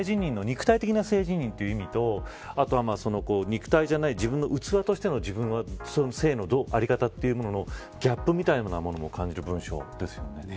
肉体的な性自認という意味と肉体じゃない自分の器としての自分は生理の在り方というものをギャップみたいなものを感じる文章ですよね。